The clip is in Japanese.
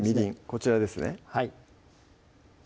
こちらですね